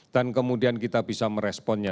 kemudian kita bisa meresponnya